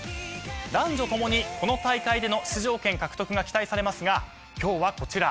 男女共にこの大会での出場権獲得が期待されますが今日はこちら。